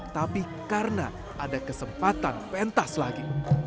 tapi karena ada kesempatan pentas lagi